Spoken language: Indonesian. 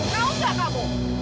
kau gak kamu